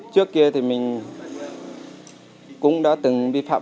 trước kia thì mình cũng đã từng bị phạm